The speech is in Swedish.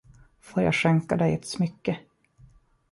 Får jag skänka dig ett smycke?